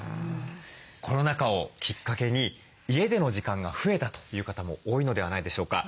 コロナ禍をきっかけに家での時間が増えたという方も多いのではないでしょうか。